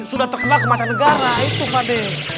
sudah terkenal kemasan negara itu padre